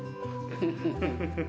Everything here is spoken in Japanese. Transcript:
フフフッ。